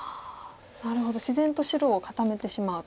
なるほど自然と白を固めてしまうと。